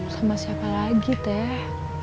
sama siapa lagi teh